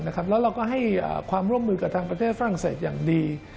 แล้วเราก็ให้ความร่วมมือกับทางประเทศฝรั่งเศสอย่างดี